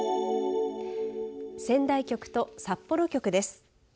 仙台局と札幌局です。